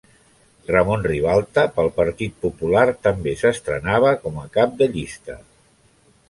Ramon Ribalta, pel Partit Popular, també s'estrenava com a cap de llista.